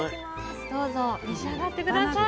どうぞ召し上がって下さい。